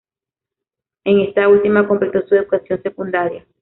En esta última completó su educación secundaria.